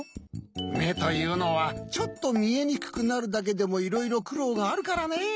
めというのはちょっとみえにくくなるだけでもいろいろくろうがあるからね。